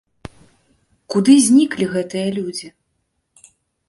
Куды зніклі гэтыя людзі?